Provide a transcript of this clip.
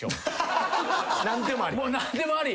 何でもあり。